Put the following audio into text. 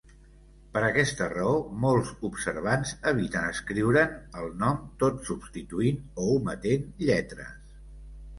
Per aquesta raó, molts observants eviten escriure'n el nom tot substituint o ometent lletres.